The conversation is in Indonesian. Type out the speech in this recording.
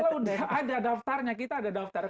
kalau ada daftarnya kita ada daftar